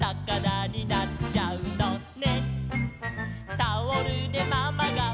「くじらになっちゃうのね」